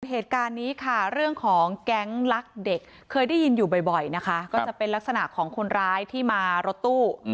เหตุการณ์นี้ค่ะเรื่องของแก๊งลักเด็กเคยได้ยินอยู่บ่อยนะคะก็จะเป็นลักษณะของคนร้ายที่มารถตู้